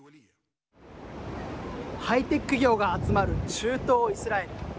ハイテク企業が集まる中東イスラエル。